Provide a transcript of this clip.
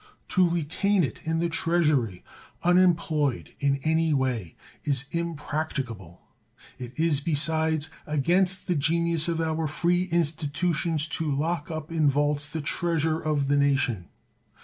To retain it in the Treasury unemployed in any way is impracticable; it is, besides, against the genius of our free institutions to lock up in vaults the treasure of the nation.